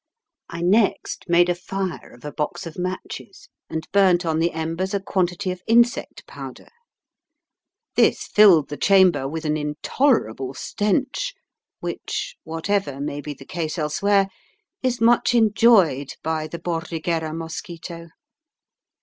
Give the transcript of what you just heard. I next made a fire of a box of matches, and burnt on the embers a quantity of insect powder. This filled the chamber with an intolerable stench, which, whatever may be the case elsewhere, is much enjoyed by the Bordighera mosquito.